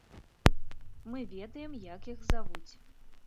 Мы ведаем, як іх завуць.